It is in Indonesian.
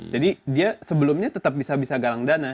jadi dia sebelumnya tetap bisa bisa galang dana